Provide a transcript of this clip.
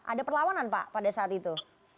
ada perlawanan pak pada saat itu